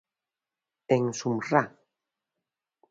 En Sumrrá.